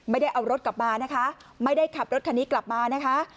ไม่ได้เอารถกลับมานะคะไม่ได้ขับรถคันนี้กลับมานะคะ